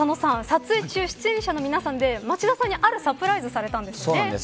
撮影中出演者の皆さんで町田さんにあるサプライズをされたんですね。